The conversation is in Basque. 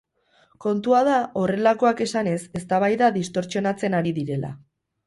Kontua da, horrelakoak esanez, eztabaida distortsionatzen ari direla.